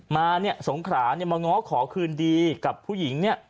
มาสงขรามาง้อกขอคืนดีกับผู้หญิง